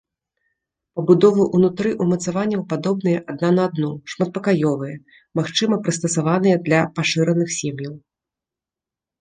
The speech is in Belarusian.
Пабудовы ўнутры ўмацаванняў падобныя адна на адну, шматпакаёвыя, магчыма прыстасаваныя для пашыраных сем'яў.